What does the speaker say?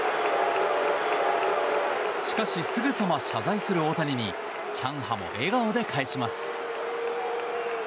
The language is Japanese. しかしすぐさま謝罪する大谷にキャンハも笑顔で返します。